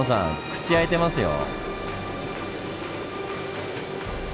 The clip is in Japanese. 口開いてますよ。